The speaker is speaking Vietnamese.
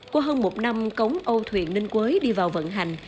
qua hơn một năm cống âu thuyền ninh quế đi vào vận hành